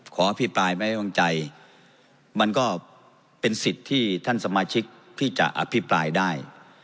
อภิปรายไม่วางใจมันก็เป็นสิทธิ์ที่ท่านสมาชิกที่จะอภิปรายได้